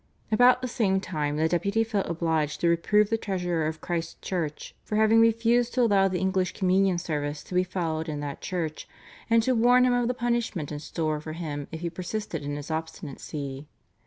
" About the same time the Deputy felt obliged to reprove the Treasurer of Christ's Church for having refused to allow the English Communion Service to be followed in that church, and to warn him of the punishment in store for him if he persisted in his obstinacy.